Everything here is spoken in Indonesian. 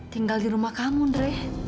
tinggal di rumah kamu dre